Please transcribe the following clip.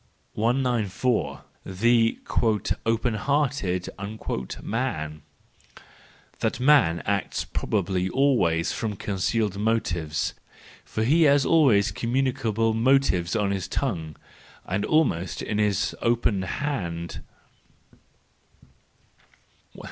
194. The " Open hearted" Man, —That man acts prob¬ ably always from concealed motives; for he has always communicable motives on his tongue, and almost in his open hand.